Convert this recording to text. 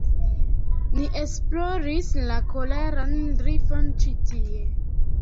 Ni esploris la koralan rifon ĉi tie